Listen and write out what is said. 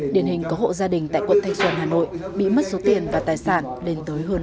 điển hình có hộ gia đình tại quận thanh xuân hà nội bị mất số tiền và tài sản đến tới hơn bốn trăm linh triệu đồng